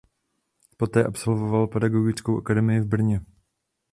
Poté absolvoval Pedagogickou akademii v Brně.